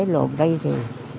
rồi đây thì